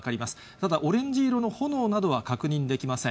ただ、オレンジ色の炎などは確認できません。